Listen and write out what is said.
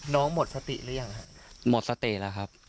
หมดสติหรือยังครับหมดสติแล้วครับ